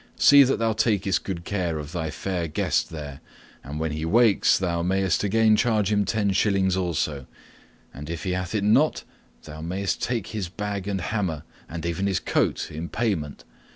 See that thou takest good care of thy fair guest there, and when he wakes thou mayst again charge him ten shillings also, and if he hath it not, thou mayst take his bag and hammer, and even his coat, in payment.